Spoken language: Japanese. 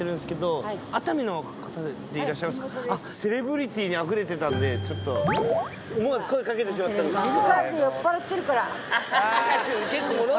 セレブリティーにあふれてたんで思わず声かけてしまったんですけど。